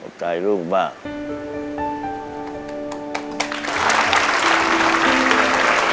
ขอบใจลูกมาก